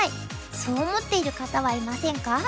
そう思っている方はいませんか？